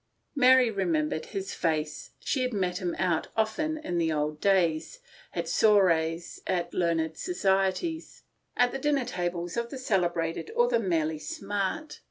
Mary remembered his face. She had met him out often in the old days : at soirees at the Royal Society, at the dinner tables of the celebrated or the merely smart.